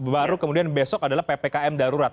baru kemudian besok adalah ppkm darurat